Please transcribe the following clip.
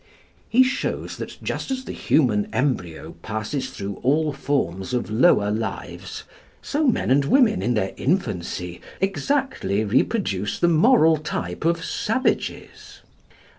He shows that just as the human embryo passes through all forms of lower lives, so men and women in their infancy exactly reproduce the moral type of savages.